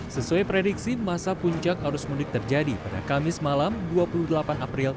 sesuai prediksi masa puncak arus mudik terjadi pada kamis malam dua puluh delapan april